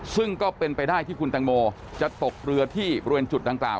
ซึ่งก็เป็นไปได้ที่คุณตังโมจะตกเรือที่บริเวณจุดดังกล่าว